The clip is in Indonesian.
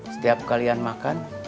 setiap kalian makan